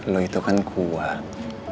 lu itu kan kuat